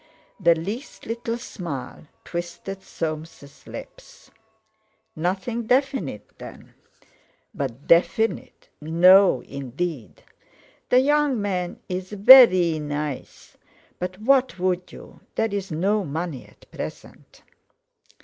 The least little smile twisted Soames' lips. "Nothing definite, then?" "But definite—no, indeed! The young man is veree nice, but—what would you? There is no money at present."